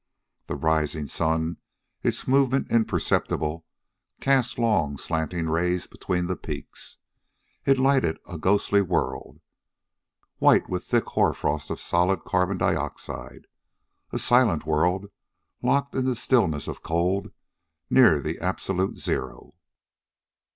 The rising sun, its movement imperceptible, cast long slanting rays between the peaks. It lighted a ghostly world, white with thick hoar frost of solid carbon dioxide. A silent world, locked in the stillness of cold near the absolute zero.